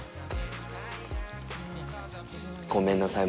ごめんなさい。